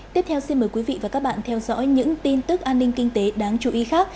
tiếp theo xin mời quý vị và các bạn theo dõi những tin tức an ninh kinh tế đáng chú ý khác